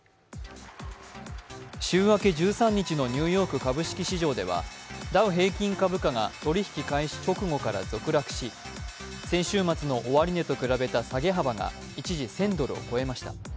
週明け１３日のニューヨーク株式市場ではダウ平均株価が取り引き開始直後から続落し先週末の終値と比べた下げ幅が一時１０００ドルを超えました。